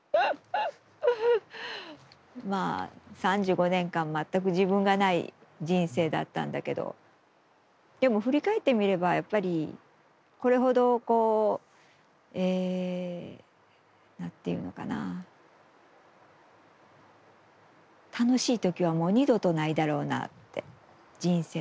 まあ３５年間全く自分がない人生だったんだけどでも振り返ってみればやっぱりこれほどこう何て言うのかな楽しい時はもう二度とないだろうなって人生の中で。